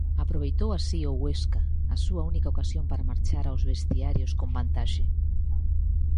Aproveitou así o Huesca a súa única ocasión para marchar aos vestiarios con vantaxe.